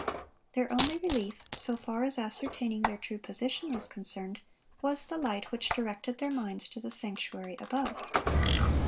Their only relief, so far as ascertaining their true position was concerned, was the light which directed their minds to the sanctuary above.